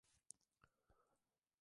no... no creo que nos dejen.